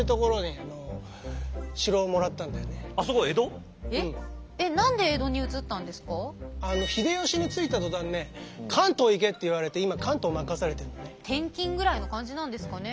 あの秀吉についた途端ね関東行けって言われて今関東任されてるのね。